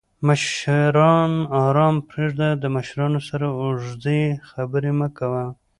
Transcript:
مشران آرام پریږده! د مشرانو سره اوږدې خبرې مه کوه